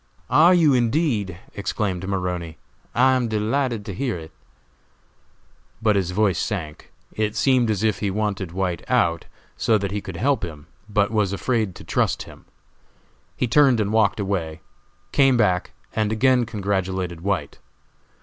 "Are you, indeed?" exclaimed Maroney. "I am delighted to hear it;" but his voice sank. It seemed as if he wanted White out, so that he could help him, but was afraid to trust him. He turned and walked away, came back, and again congratulated White.